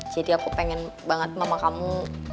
jadi aku pengen banget mama kamu